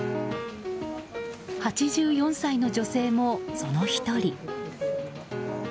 ８４歳の女性もその１人。